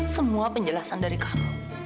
semua penjelasan dari kamu